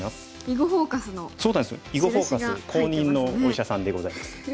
「囲碁フォーカス」公認のお医者さんでございます。